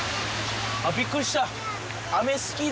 びっくりした。